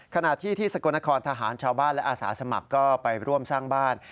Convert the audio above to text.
ขณะที่ที่สกลนครทหารชาวบ้านและอาสาสมัครก็ไปร่วมสร้างบ้าน